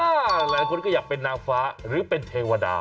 หลายคนก็อยากเป็นนางฟ้าหรือเป็นเทวดา